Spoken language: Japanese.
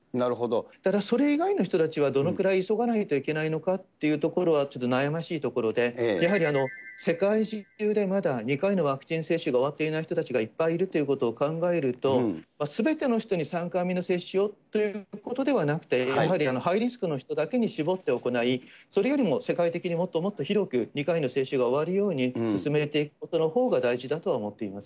ただ、それ以外の人たちはどのくらい急がないといけないのかというところはちょっと悩ましいところで、やはり世界中でまだ２回のワクチン接種が終わっていない人たちがいっぱいいるということを考えると、すべての人に３回目の接種をということではなくて、やはりハイリスクの人だけに絞って行い、それよりも世界的にもっともっと広く２回の接種が終わるように進めていくことのほうが大事だと思っています。